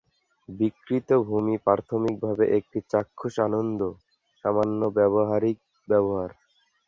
বিকৃত ভূমি প্রাথমিকভাবে একটি চাক্ষুষ আনন্দ, সামান্য ব্যবহারিক ব্যবহার।